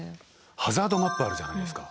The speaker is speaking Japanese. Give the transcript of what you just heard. ハザードマップあるじゃないですか。